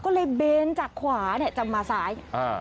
ก็เลยเบนจากขวาเนี่ยจะมาซ้ายอ่า